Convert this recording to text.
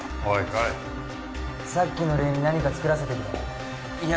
海さっきの礼に何か作らせてくれいや